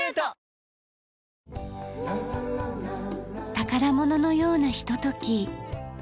宝物のようなひととき。